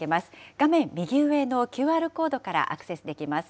画面右上のＱＲコードからアクセスできます。